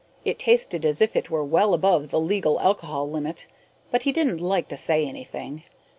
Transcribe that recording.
It tasted as if it were well above the legal alcohol limit, but he didn't like to say anything.